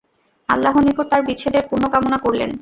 আল্লাহর নিকট তাঁর বিচ্ছেদের পূণ্য কামনা করলেন।